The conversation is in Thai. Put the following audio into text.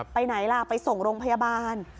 ไปไหนล่ะไปส่งโรงพยาบาล